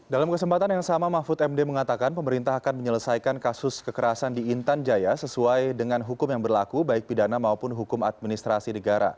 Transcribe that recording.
dalam kesempatan yang sama mahfud md mengatakan pemerintah akan menyelesaikan kasus kekerasan di intan jaya sesuai dengan hukum yang berlaku baik pidana maupun hukum administrasi negara